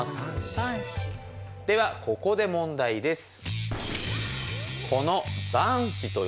ではここで問題です。